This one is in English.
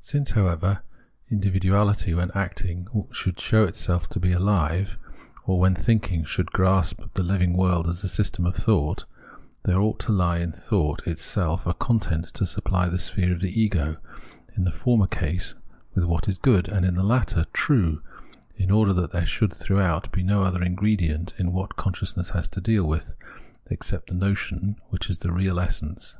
Since, however, individuahty when VOL. I.— o 194 Phenomenology of Mind acting should show itself to be ahve, or when thinking should grasp the hving world as a system of thought, there ought to he in thought itself a content to supply the sphere of the ego, in the former case with what is good, and, in the latter, true, in order that there should throughout be no other ingredient in what consciousness has to deal with, except the notion which is the real essence.